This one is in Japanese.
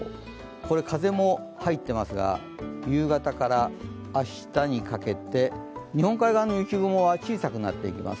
これは風も入っていますが、夕方から明日にかけて、日本海側の雪雲は小さくなっていきます。